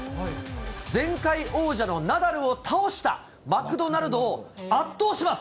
前回王者のナダルを倒したマクドナルドを圧倒します。